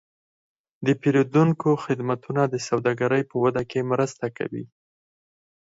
د پیرودونکو خدمتونه د سوداګرۍ په وده کې مرسته کوي.